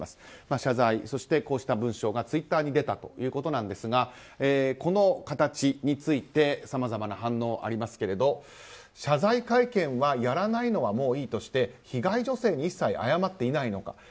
謝罪、そしてこうした文章がツイッターに出たということですがこの形についてさまざまな反応がありますけれど謝罪会見はやらないのはもういいとして被害女性に一切謝ってないのか。